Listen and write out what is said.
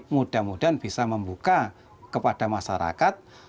mudah mudahan bisa membuka kepada masyarakat